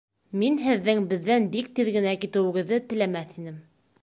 Мин һеҙҙең беҙҙән бик тиҙ генә китеүегеҙҙе теләмәҫ инем